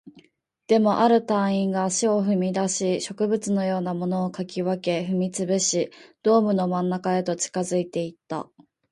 でも、ある隊員が足を踏み出し、植物のようなものを掻き分け、踏み潰し、ドームの真ん中へと近づいていった